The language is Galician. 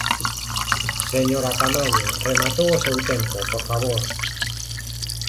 Señora Caamaño, rematou o seu tempo, por favor.